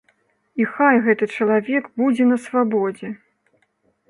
І хай гэты чалавек будзе на свабодзе.